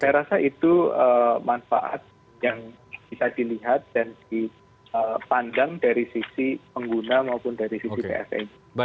saya rasa itu manfaat yang bisa dilihat dan dipandang dari sisi pengguna maupun dari sisi pse nya